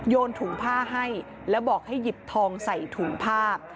ถุงผ้าให้แล้วบอกให้หยิบทองใส่ถุงผ้า